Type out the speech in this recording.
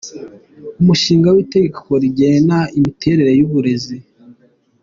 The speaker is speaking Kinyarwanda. Umushinga w’Itegeko rigena Imiterere y’Uburezi ;